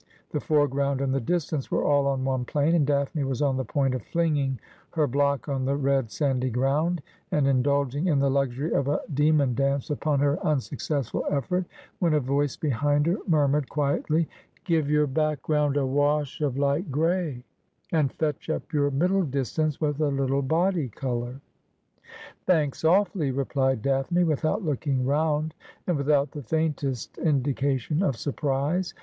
The fore ground and the distance were all on one plane, and Daphne was on the point of flinging her block on the red sandy ground, and indulging in the luxury of a demon dance upon her unsuccessful effort, when a voice behind her murmured quietly :' Give your background a wash of light gray, and fetch up your middle distance with a little body colour.' ' Thanks awfully,' replied Daphne without looking round, and without the faintest indication of surprise.